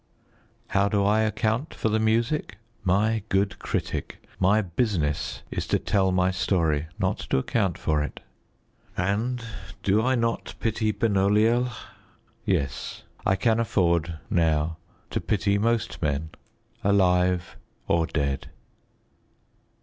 How do I account for the music? My good critic, my business is to tell my story not to account for it. And do I not pity Benoliel? Yes. I can afford, now, to pity most men, alive or dead.